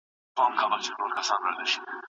په لاس خط لیکل د اوریدلو مهارت هم ښه کوي.